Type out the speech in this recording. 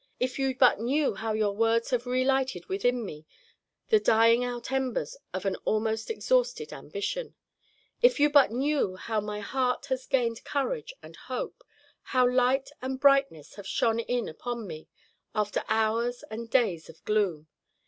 "If you but knew how your words have relighted within me the dying out embers of an almost exhausted ambition, if you but knew how my heart has gained courage and hope, how light and brightness have shone in upon me after hours and days of gloom!